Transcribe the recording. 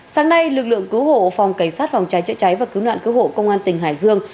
sáng nay lực lượng cứu hộ phòng cảnh sát vòng trái chạy cháy và cứu nạn cứu hộ công an tỉnh hải dương